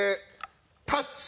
「タッチ」！